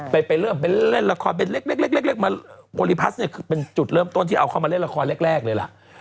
ไปเริ่มเป็นเล่นละครเป็นเล็กมาบริพัสเนี่ยคือเป็นจุดเริ่มต้นที่เอาเข้ามาเล่นละครแรกเลยล่ะ